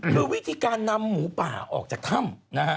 คือวิธีการนำหมูป่าออกจากถ้ำนะฮะ